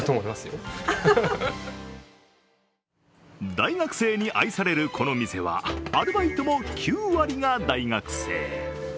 大学生に愛されるこの店はアルバイトも９割が大学生。